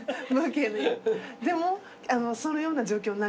でもそのような状況になりました。